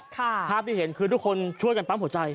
ภาพที่เห็นคือทุกคนช่วยกันปั๊มหัวใจ